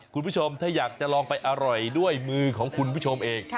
คุณผู้ชมถ้าอยากจะลองไปอร่อยด้วยมือของคุณผู้ชมเอง